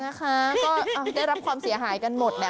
นะคะก็ได้รับความเสียหายกันหมดแหละ